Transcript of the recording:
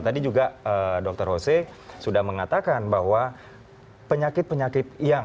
tadi juga dokter hose sudah mengatakan bahwa penyakit penyakit yang